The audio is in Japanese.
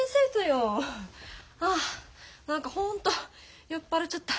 あ何かホント酔っ払っちゃった。